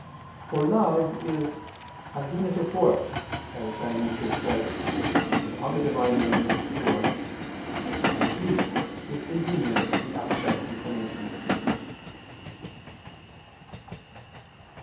For love is "a unitive force" as Dionysius says (Div. Nom. iv): and peace is the union of the appetite's inclinations.